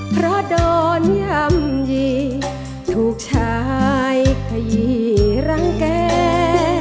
เพราะโดนย่ำยีถูกชายขยี้รังแก่